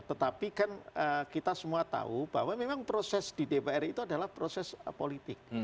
tetapi kan kita semua tahu bahwa memang proses di dpr itu adalah proses politik